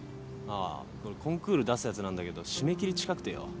ああこれコンクール出すやつなんだけど締め切り近くてよ。